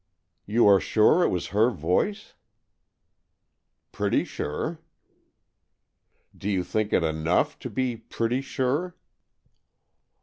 '' You are sure it was her voice ?"" Pretty sure." ''Do you think it enough to be pretty sure